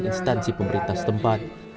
instansi pemerintah setempat